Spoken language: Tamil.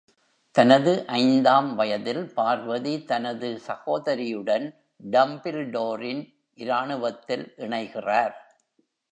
தனது ஐந்தாம் வயதில், பார்வதி தனது சகோதரியுடன் டம்பில்டோரின் இராணுவத்தில் இணைகிறார்.